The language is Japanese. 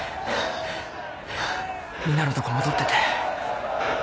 みんなのとこ戻ってて。